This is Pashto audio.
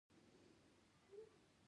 د خپلې خوښې ځینې کارونه شوي.